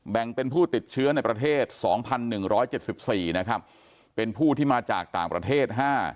แบ่งเป็นผู้ติดเชื้อในประเทศ๒๑๗๔นะครับเป็นผู้ที่มาจากต่างประเทศ๕